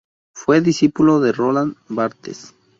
Fue discípulo de Roland Barthes.